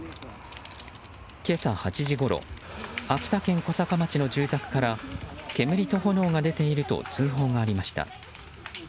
今朝８時ごろ秋田県小坂町の住宅から煙と炎が出ていると通報がありました。